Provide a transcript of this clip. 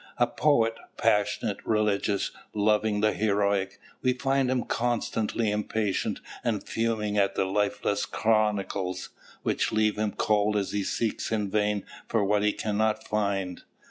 A poet, passionate, religious, loving the heroic, we find him constantly impatient and fuming at the lifeless chronicles, which leave him cold as he seeks in vain for what he cannot find.